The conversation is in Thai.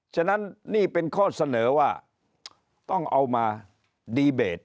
ฉะนั้นนี่เป็นข้อเสนอว่าต้องเอามาดีเบต